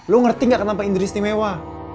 lo ngerti gak kenapa indri istimewa